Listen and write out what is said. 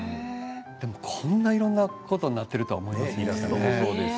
でもこんないろんなことになっていると思わなかったです。